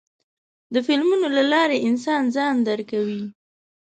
د فلمونو له لارې انسان ځان درکوي.